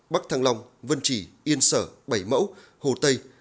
bắc thăng long vân trì yên sở bảy mẫu hồ tây